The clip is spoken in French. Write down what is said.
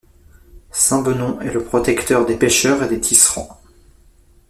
Saint Bennon est le protecteur des pêcheurs et des tisserands.